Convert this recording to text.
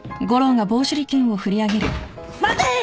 待て！